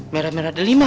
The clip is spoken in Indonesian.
merah merah ada lima